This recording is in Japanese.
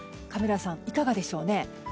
カメラさん、いかがでしょうか。